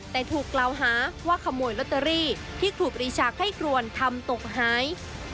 แต่ถูกกล่าวหาว่าขโมยลอตเตอรี่ที่ครูปรีชาไข้ครวนทำตกหาย